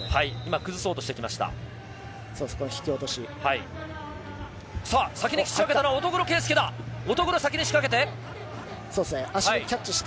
崩そうとしてきました。